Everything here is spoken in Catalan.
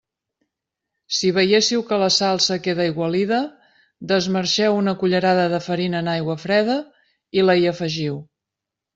Si veiéssiu que la salsa queda aigualida, desmarxeu una cullerada de farina en aigua freda i la hi afegiu.